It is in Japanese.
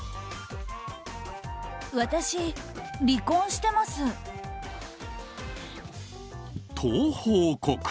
私、離婚してます。と報告。